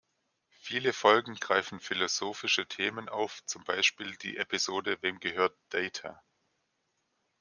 Viele Folgen greifen philosophische Themen auf, zum Beispiel die Episode "Wem gehört Data?